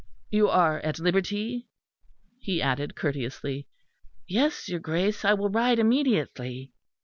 You are at liberty?" he added courteously. "Yes, your Grace, I will ride immediately."